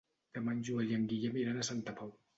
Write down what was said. Demà en Joel i en Guillem iran a Santa Pau.